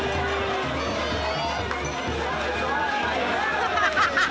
ハハハハ！